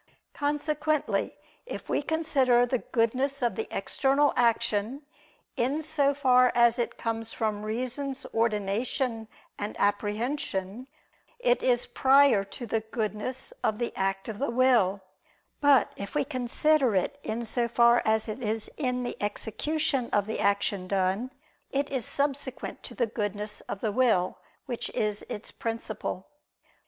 Consequently, if we consider the goodness of the external action, in so far as it comes from reason's ordination and apprehension, it is prior to the goodness of the act of the will: but if we consider it in so far as it is in the execution of the action done, it is subsequent to the goodness of the will, which is its principle.